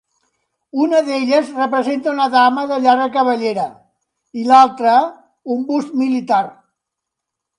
Una d'elles representa una dama de llarga cabellera i l'altre un bust militar.